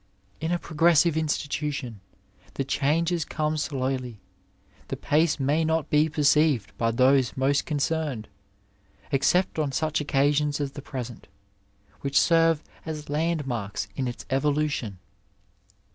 In a progressive institution the changes come slowly, the pace may not be perceived by those most con oemed, except on such occasions as the present, which serve as land marks in its evolution.